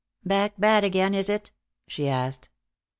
"Back bad again, is it?" she asked.